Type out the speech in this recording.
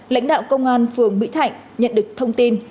lãnh đạo công an phường mỹ thạnh nhận được thông tin